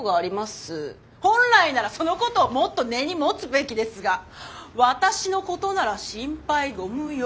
本来ならそのことをもっと根に持つべきですが私のことなら心配ご無用。